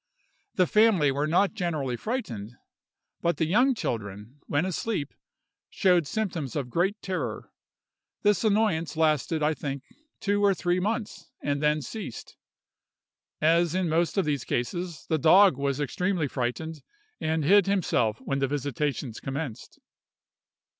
The family were not generally frightened, but the young children, when asleep, showed symptoms of great terror. This annoyance lasted, I think, two or three months, and then ceased. As in most of these cases, the dog was extremely frightened, and hid himself when the visitations commenced.